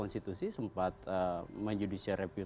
si sempat menjudisi reput